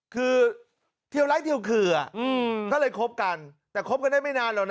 คือเที่ยวไร้เทียวเขื่อก็เลยคบกันแต่คบกันได้ไม่นานหรอกนะ